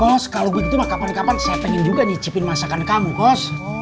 bos kalau begitu mah kapan kapan saya pengen juga nyicipin masakan kamu hos